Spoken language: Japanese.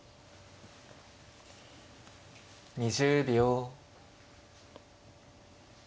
２０秒。